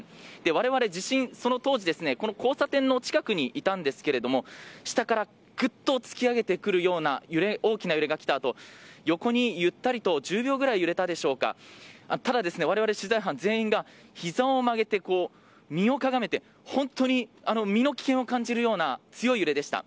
われわれ、地震その当時、この交差点の近くにいたんですけれども、下からぐっと突き上げてくるような揺れ、大きな揺れがきたあと、横にゆったりと１０秒ぐらい揺れたでしょうか、ただですね、われわれ取材班全員が、ひざを曲げて身をかがめて、本当に身の危険を感じるような強い揺れでした。